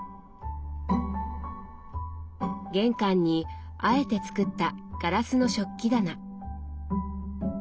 玄関にあえて作ったガラスの食器棚。